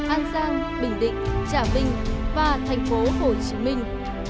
an giang bình định trả bình và thành phố hồ chí minh